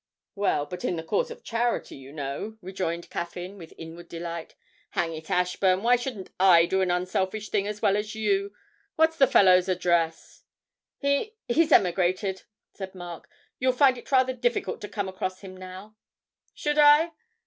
'Well, but in the cause of charity, you know,' rejoined Caffyn, with inward delight. 'Hang it, Ashburn, why shouldn't I do an unselfish thing as well as you? What's the fellow's address?' 'He he's emigrated,' said Mark; 'you'd find it rather difficult to come across him now.' 'Should I?'